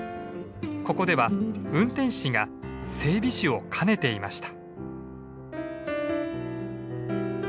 ここでは運転士が整備士を兼ねていました。